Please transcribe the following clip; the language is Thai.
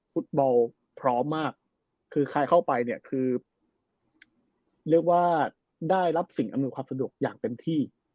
ฟุตบอลพร้อมมากคือใครเข้าไปเนี่ยคือเรียกว่าได้รับสิ่งอำนวยความสะดวกอย่างเต็มที่